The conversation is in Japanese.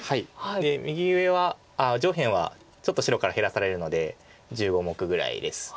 で右上は上辺はちょっと白から減らされるので１５目ぐらいです。